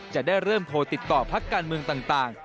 จะได้เริ่มโทรติดต่อพักการเมืองต่าง